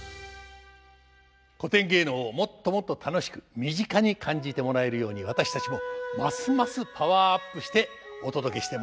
古典芸能をもっともっと楽しく身近に感じてもらえるように私たちもますますパワーアップしてお届けしてまいります。